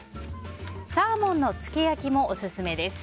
サーモンの漬け焼きもオススメです。